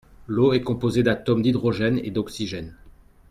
L’eau est composée d’atomes d’hydrogène et d’oxygène.